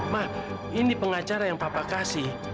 mah ini pengacara yang papa kasih